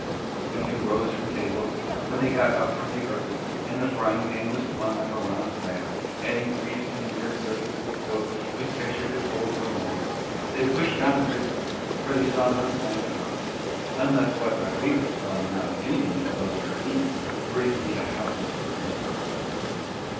When they rose from table, when they got up from the earth, and the frying pan was slung on Morano's back, adding grease to the mere surface of his coat whose texture could hold no more, they pushed on briskly for they saw no sign of houses, unless what Rodriguez saw now dimly above a ravine were indeed a house in the mountains.